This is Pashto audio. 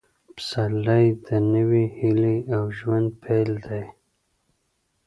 پسرلی د نوې هیلې او ژوند پیل دی.